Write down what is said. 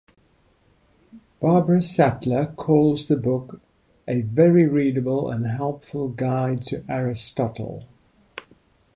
Barbara Sattler calls the book "a very readable and helpful guide to Aristotle".